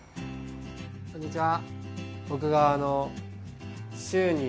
こんにちは。